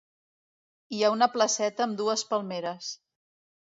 Hi ha una placeta amb dues palmeres.